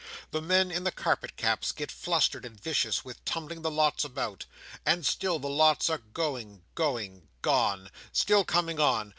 The men in the carpet caps get flustered and vicious with tumbling the Lots about, and still the Lots are going, going, gone; still coming on.